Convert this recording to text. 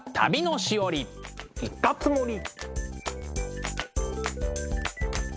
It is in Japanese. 行ったつもり！